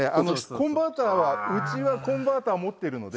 コンバーターはうちはコンバーター持ってるので。